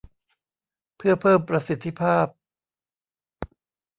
เพื่อเพิ่มประสิทธิภาพ